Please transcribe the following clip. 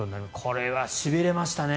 これはしびれましたね。